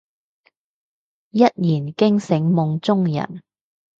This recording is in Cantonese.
一言驚醒夢中人